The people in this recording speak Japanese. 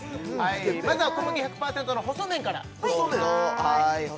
まずは小麦１００％の細麺からどうぞ細